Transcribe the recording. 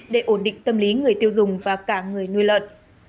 để ổn định tâm lý người tiêu dùng và cả người nuôi lợn